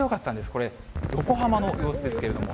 これ、横浜の様子ですけれども。